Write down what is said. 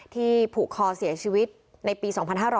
ผูกคอเสียชีวิตในปี๒๕๕๙